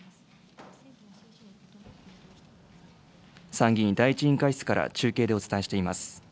参議院第１委員会室から、中継でお伝えしています。